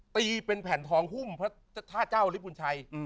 ตีเป็นแผ่นทองหุ้มพระท่าเจ้าลิพุนชัย